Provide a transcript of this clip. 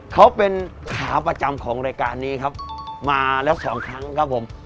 เขาเป็นขาประจำของรายการนี้ครับมาแล้วสองครั้งครับผม